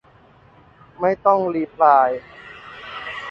ไม่ต้องรีพลาย